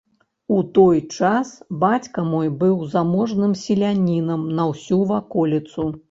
У той час бацька мой быў заможным селянінам на ўсю ваколіцу.